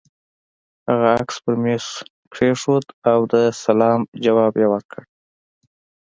هغه عکس پر مېز کېښود او د سلام ځواب يې ورکړ.